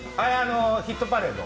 「ヒットパレード」。